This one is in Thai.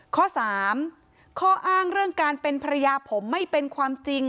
ข้อ๓ข้ออ้างเรื่องการเป็นภรรยาผมไม่เป็นความจริง